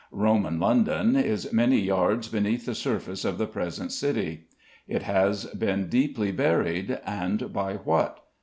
Roman London is many yards beneath the surface of the present City. It has been deeply buried, and by what?